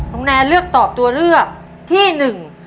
แนนเลือกตอบตัวเลือกที่หนึ่ง